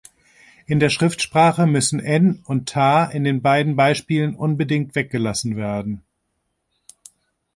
In der Schriftsprache müssen "en" und "ta" in den beiden Beispielen unbedingt weggelassen werden.